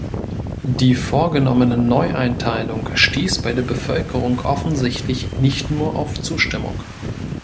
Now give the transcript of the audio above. Die vorgenommene Neueinteilung stieß bei der Bevölkerung offensichtlich nicht nur auf Zustimmung.